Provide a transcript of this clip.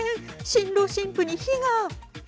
新郎新婦に火が。